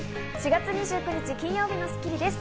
４月２９日、金曜日の『スッキリ』です。